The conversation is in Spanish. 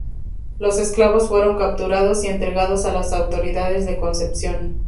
Los esclavos fueron capturados y entregados a las autoridades de Concepción.